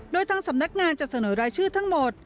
โดยทางสำนักงานจะเสนอรายชื่อทั้งหมด